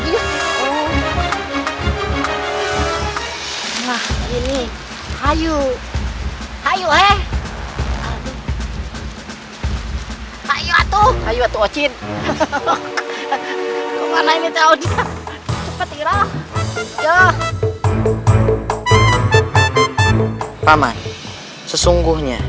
ini hayu hayu eh ayo atuh ayo tuwacin kemana ini tahu cepet irah jah aman sesungguhnya